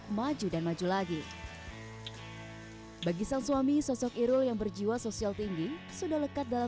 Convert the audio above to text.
keluarga prefat judicial dikerjakan para istri iruul untuk bertelur di olomou meditation settingantara